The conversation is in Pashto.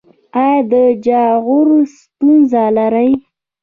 ایا د جاغور ستونزه لرئ؟